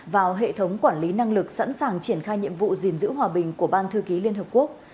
vào hệ thống quản lý năng lực sẵn sàng triển khai nhiệm vụ gìn giữ hòa bình của ban thư ký liên hợp quốc